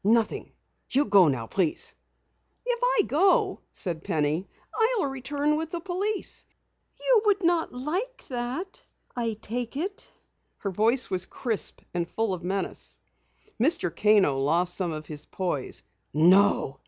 "Nothing. You go now, please." "If I go," said Penny, "I'll return with the police. You would not like that, I take it?" Her voice was crisp and full of menace. Mr. Kano lost some of his poise. "No!"